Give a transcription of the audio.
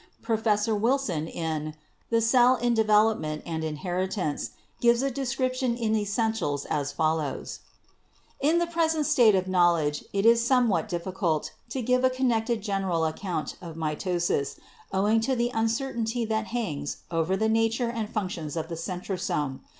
Professor Wilson, in "The Cell in Development and Inheritance" gives a description in essentials as follows: "In the present state of knowledge it is somewhat diffi cult to give a connected general account of mitosis, owing to the uncertainty that hangs over the nature and functions of the centrosome.